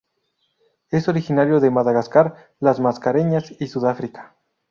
Es originario de Madagascar, las Mascareñas y Sudáfrica.